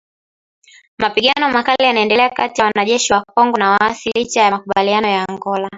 Mapigano makali yanaendelea kati ya wanajeshi wa Kongo na waasi licha ya makubaliano ya Angola